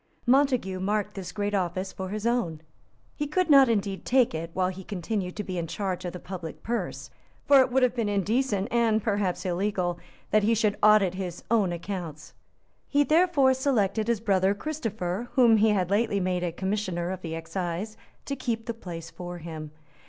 Montague marked this great office for his own. He could not indeed take it, while he continued to be in charge of the public purse. For it would have been indecent, and perhaps illegal, that he should audit his own accounts. He therefore selected his brother Christopher, whom he had lately made a Commissioner of the Excise, to keep the place for him.